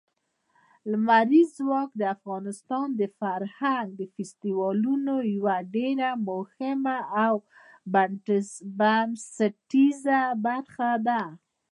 لمریز ځواک د افغانستان د فرهنګي فستیوالونو یوه ډېره مهمه او بنسټیزه برخه ده.